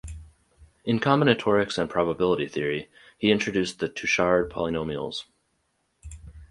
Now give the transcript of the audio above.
In combinatorics and probability theory, he introduced the Touchard polynomials.